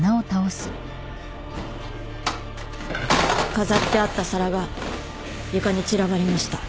飾ってあった皿が床に散らばりました。